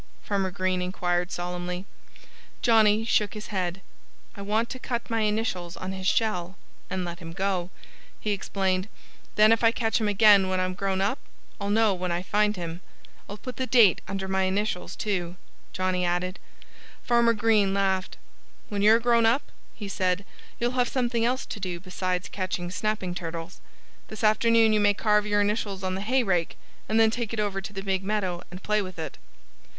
Farmer Green inquired solemnly. Johnnie shook his head. "I want to cut my initials on his shell and let him go," he explained. "Then if I catch him again when I'm grown up I'll know him when I find him.... I'll put the date under my initials, too," Johnnie added. Farmer Green laughed. "When you're grown up," he said, "you'll have something else to do besides catching snapping turtles. This afternoon you may carve your initials on the hay rake and then take it over to the big meadow and play with it."